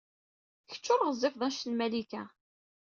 Kecc ur ɣezzifed anect n Malika.